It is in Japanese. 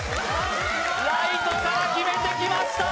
ライトから決めてきました